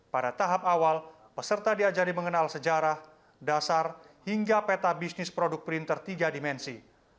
pada tahap awal peserta diajari mengenal sejarah dasar hingga peta bisnis produk printer tiga dimensi